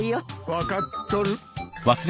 分かっとる。